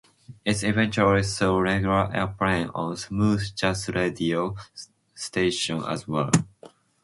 It eventually saw regular airplay on Smooth Jazz radio stations as well.